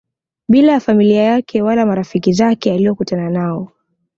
bila ya familia yake wala marafiki zake aliokutana nao